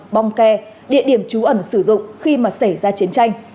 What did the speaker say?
bong kè địa điểm trú ẩn sử dụng khi mà xảy ra chiến tranh